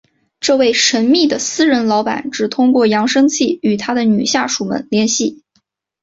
这位神秘的私人老板只通过扬声器与他的女下属们联系。